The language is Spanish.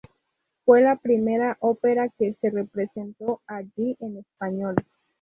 Fue la primera ópera que se representó allí en español.